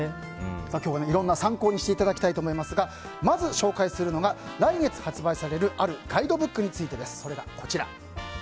今日はいろいろ参考にしていただきたいですがまず紹介するのが来月発売されるあるガイドブックについてです。